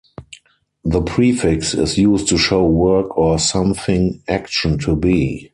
The prefix is used to show work or something action to be.